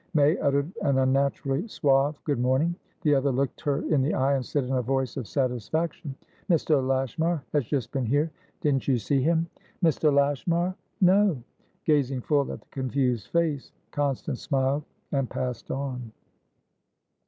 May uttered an unnaturally suave "good morning!" The other looked her in the eye, and said in a voice of satisfaction: "Mr. Lashmar has just been here. Didn't you see him?" "Mr. Lashmar? No." Gazing full at the confused face, Constance smiled, and passed on.